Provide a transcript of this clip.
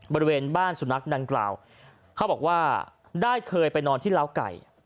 บริเวณบ้านสุนัขดังกล่าวเขาบอกว่าได้เคยไปนอนที่ล้าวไก่